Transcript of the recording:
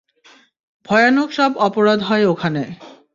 ভয়ানক সব অপরাধ হয় ওখানে।